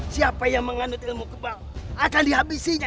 siapa yang menganut ilmu kebau akan dihabisinya